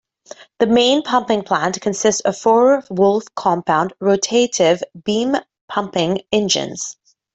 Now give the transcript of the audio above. The main pumping plant consists of four Woolf compound, rotative, beam pumping engines.